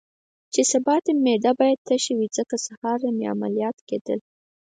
چې سبا ته مې معده باید تشه وي، ځکه سهار مې عملیات کېدل.